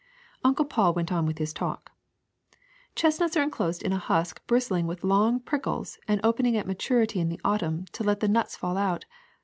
'' Uncle Paul went on with his talk: Chestnuts are enclosed in a husk bristling with long prickles and opening at maturity in the autumn to let the nuts fall out.